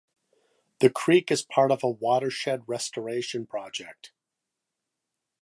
The creek is part of a watershed restoration project.